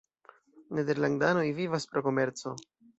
Nederlandanoj vivas pro komerco.